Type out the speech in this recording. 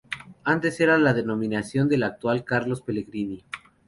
Artes era la denominación de la actual Carlos Pellegrini.